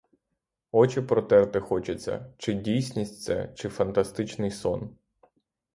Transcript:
Очі протерти хочеться — чи дійсність це, чи фантастичний сон.